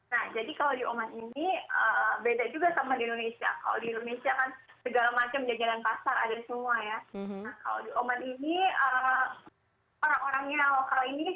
nah jadi kalau di oman ini beda juga sama di indonesia